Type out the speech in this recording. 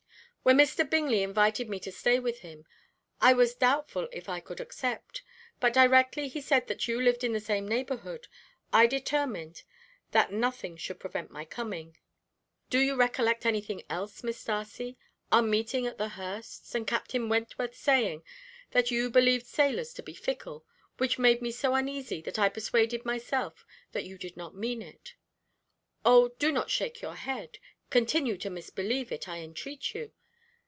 When Mr. Bingley invited me to stay with him, I was doubtful if I could accept, but directly he said that you lived in the same neighbourhood, I determined that nothing should prevent my coming. Do you recollect anything else, Miss Darcy, our meeting at the Hursts', and Captain Wentworth saying that you believed sailors to be fickle, which made me so uneasy until I persuaded myself that you did not mean it? Oh, do not shake your head, continue to misbelieve it, I entreat you.